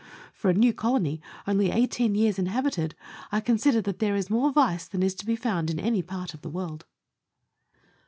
For a new colony, only eighteen years in habited, I consider that there is more vice than is to be found in any part of the world.